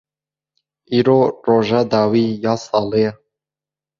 Îro roja dawî ya salê ye.